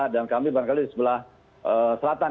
dan kami barangkali di sebelah selatan